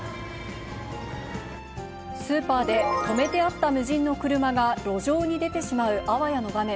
スーパーで止めてあった無人の車が路上に出てしまうあわやの場面。